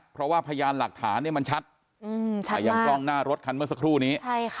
เพราะว่าพยานหลักฐานมันชัดอย่างกล้องหน้ารถคันเมื่อสักครู่นี้